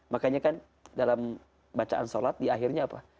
makanya kan dalam bacaan sholat di akhirnya apa